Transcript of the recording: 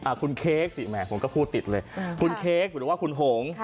คุณเค้กสิแหมผมก็พูดติดเลยคุณเค้กหรือว่าคุณหง